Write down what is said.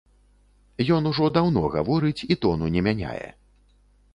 Ён ўжо даўно гаворыць і тону не мяняе.